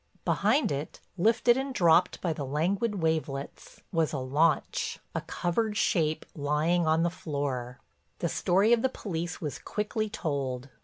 Behind it, lifted and dropped by the languid wavelets, was a launch, a covered shape lying on the floor. The story of the police was quickly told.